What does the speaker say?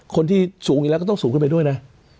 คนที่สูงอีกแล้วก็ต้องสูงขึ้นไปด้วยนะ